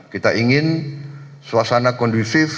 kita ingin suasana kondusif